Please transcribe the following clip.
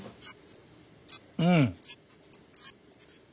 うん。